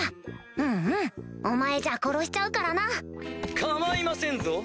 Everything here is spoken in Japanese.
うんうんお前じゃ殺しちゃうからな構いませんぞ